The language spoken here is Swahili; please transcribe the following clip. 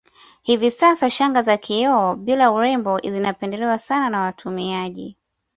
Hivi sasa shanga za kioo bila urembe zinapendelewa sana na watumiaji